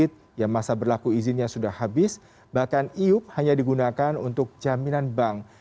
ada perusahaan yang pilot yang masa berlaku izinnya sudah habis bahkan iup hanya digunakan untuk jaminan bank